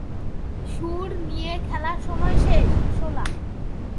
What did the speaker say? শুঁড় নিয়ে খেলার সময় শেষ, শোলা।